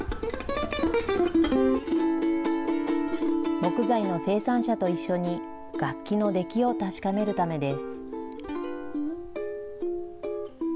木材の生産者と一緒に、楽器の出来を確かめるためです。